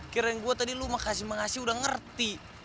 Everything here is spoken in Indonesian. kira yang gue tadi lu makasih mengasih udah ngerti